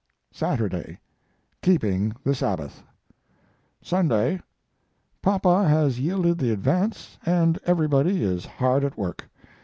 Saturday: Keeping the Sabbath. Sunday: Papa has yielded the advance and everybody is hard at work.